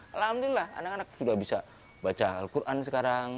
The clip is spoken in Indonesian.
alhamdulillah anak anak sudah bisa baca al quran sekarang